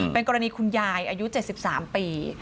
เป็นกรณีคุณยายอายุ๗๓ปี